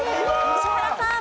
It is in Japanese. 石原さん。